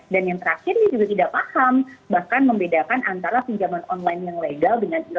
yang terakhir dia juga tidak paham bahkan membedakan antara pinjaman online yang legal dengan